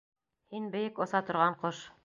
Һин бейек оса торған ҡош.